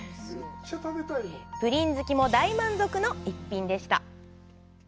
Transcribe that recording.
プリン好きも大満足の一品でした。